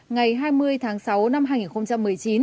ngày hai mươi tháng sáu năm hai nghìn một mươi chín